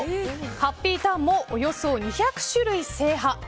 ハッピーターンもおよそ２００種類制覇。